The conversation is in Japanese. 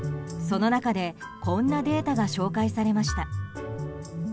その中でこんなデータが紹介されました。